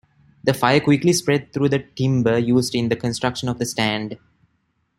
The fire quickly spread through the timber used in the construction of the stand.